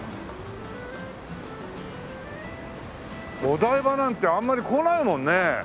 お台場なんてあんまり来ないもんね。